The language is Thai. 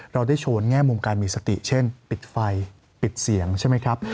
เราได้โชว์แง่มุมการมีสติเช่นปิดไฟปิดเสียงใช่ไหมครับ